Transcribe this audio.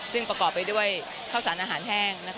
ซึ่งประกอบไปด้วยข้าวสารอาหารแห้ง